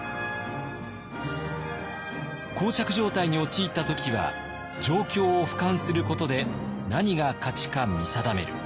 膠着状態に陥った時は状況を俯瞰することで何が「勝ち」か見定める。